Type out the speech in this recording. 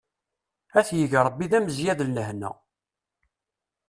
Ad t-yeg Rebbi d amezyad n lehna!